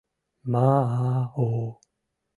Ма-а-о...